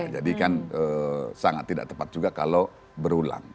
jadi kan sangat tidak tepat juga kalau berulang